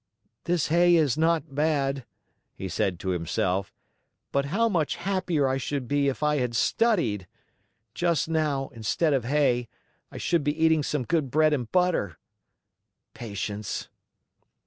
"This hay is not bad," he said to himself. "But how much happier I should be if I had studied! Just now, instead of hay, I should be eating some good bread and butter. Patience!"